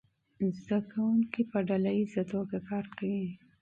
زده کوونکي په ډله ییزه توګه کار کوي.